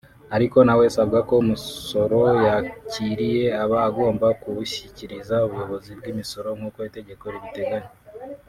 Ariko na we asabwa ko umusoro yakiriye aba agomba kuwushyikiriza ubuyobozi bw’imisoro nk’uko itegeko ribiteganya